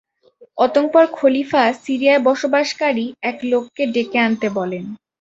অতঃপর খলীফা সিরিয়ায় বসবাসকারী এক লোককে ডেকে আনতে বলেন।